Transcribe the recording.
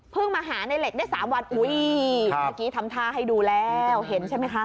มาหาในเหล็กได้๓วันอุ้ยเมื่อกี้ทำท่าให้ดูแล้วเห็นใช่ไหมคะ